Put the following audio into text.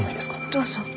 どうぞ。